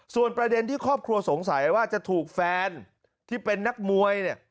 ส่วนประเด็นที่ครอบครัวสงสัยว่าจะถูกแฟนที่เป็นนักมวยเนี่ย